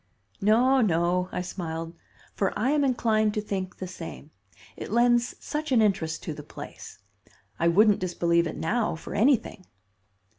"No, no," I smiled, "for I am inclined to think the same; it lends such an interest to the place. I wouldn't disbelieve it now for anything."